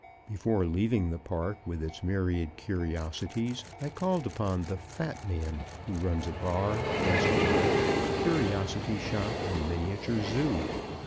Before leaving the park with its myriad curiosities, I called upon the "fat man" who runs a bar, restaurant, curiosity shop and miniature zoo.